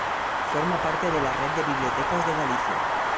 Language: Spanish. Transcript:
Forma parte de la Red de Bibliotecas de Galicia.